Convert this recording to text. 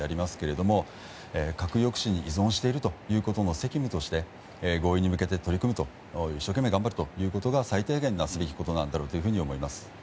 核抑止に依存しているということの責務として合意に向けて取り組むと一生懸命頑張るということが最低限なすべきことだろうと思います。